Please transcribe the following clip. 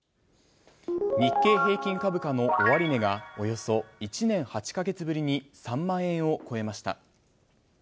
日経平均株価の終値が、およそ１年８か月ぶりに３万円を超えました。